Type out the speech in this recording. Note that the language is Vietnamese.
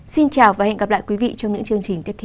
xin chào và hẹn gặp lại quý vị trong những chương trình tiếp theo